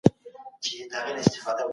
د علمي معلوماوتو ته اړتيا د زمانې اړتیا ده.